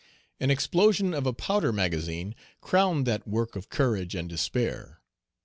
An explosion of a powder magazine crowned that work of courage and despair.